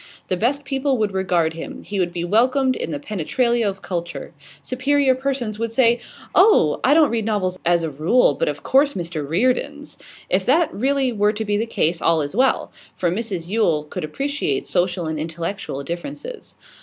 The best people would regard him; he would be welcomed in the penetralia of culture; superior persons would say: 'Oh, I don't read novels as a rule, but of course Mr Reardon's ' If that really were to be the case, all was well; for Mrs Yule could appreciate social and intellectual differences.